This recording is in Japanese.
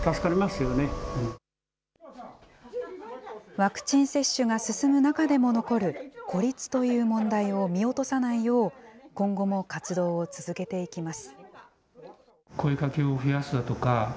ワクチン接種が進む中でも残る孤立という問題を見落とさないよう、今後も活動を続けていきます。